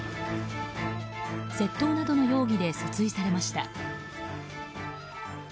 窃盗などの容疑で訴追されました。